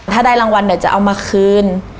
ถ้าได้รางวัลเดี๋ยวจะเอามาคืน